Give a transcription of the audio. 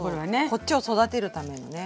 こっちを育てるためのね。